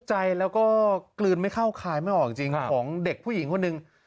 ใจแล้วก็กลืนไม่เข้าคายไม่ออกจริงของเด็กผู้หญิงคนหนึ่ง